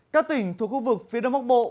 các tỉnh thuộc khu vực phía đông bắc bộ